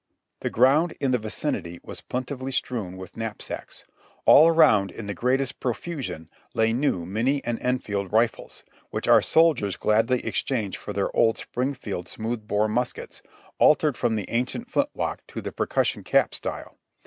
The ground in the vicinity was plentifully strewn with knapsacks ; all around in the greatest profusion lay new Minie and Enfield rifles, which our soldiers gladly exchanged for their old Springfield smooth bore muskets, altered from the ancient flint lock to the percussion cap style.